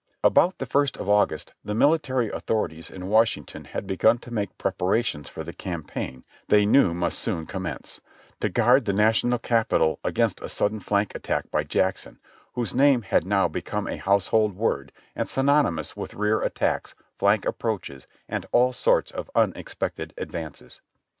About the first of August the military authorities in Washing ton had begun to make preparations for the campaign they knew must soon commence, to guard the National Capital against a sudden flank attack by Jackson, whose name had now become a household word and synonymous with rear attacks, flank ap proaches, and all sorts of unexpected advances.